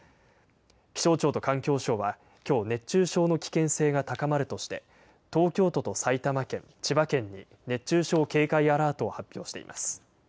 気象庁と環境省はきょう、熱中症の危険性が高まるとして、東京都と埼玉県、千葉県に熱中症警戒アラートを発表しています。